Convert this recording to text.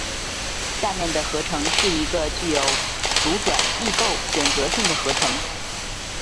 下面的合成是一个具有阻转异构选择性的合成。